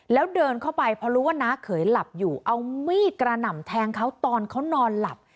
แล้วเดินเข้าไปพอรู้ว่าน้าเขยหลับอยู่เอามีดกระหน่ำแทงเขาตอนเขานอนหลับ